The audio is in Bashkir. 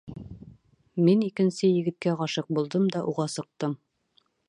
Мин икенсе егеткә ғашиҡ булдым да уға сыҡтым.